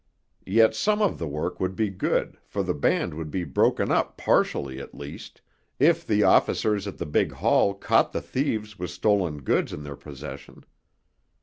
Yet some of the work would be good, for the band would be broken up partially, at least, if the officers at the big hall caught the thieves with stolen goods in their possession.